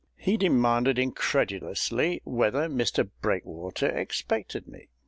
He demanded incredulously whether Mr BREAKWATER expected me.